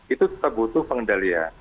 itu tetap butuh pengendalian